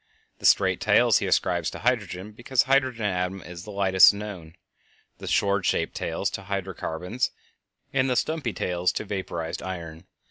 The straight tails he ascribes to hydrogen because the hydrogen atom is the lightest known; the sword shaped tails to hydro carbons; and the stumpy tails to vaporized iron.